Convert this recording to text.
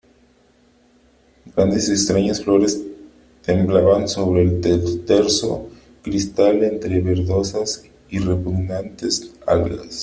grandes y extrañas flores temblaban sobre el terso cristal entre verdosas y repugnantes algas .